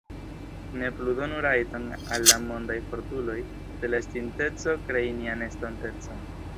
Ne plu donu rajton al la mondaj fortuloj de la estinteco krei nian estontecon